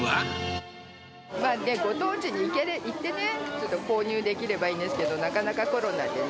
ご当地に行ってね、ちょっと購入できればいいんですけど、なかなかコロナでね。